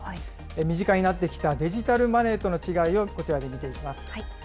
身近になってきたデジタルマネーとの違いをこちらで見ていきます。